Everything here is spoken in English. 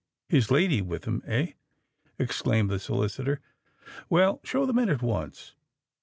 "His lady with him—eh!" exclaimed the solicitor. "Well—show them in at once."